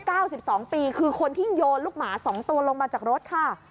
อายุ๙๒ปีคือคนที่โยนลูกหมา๒ตัวลงมาจากรถค่ะ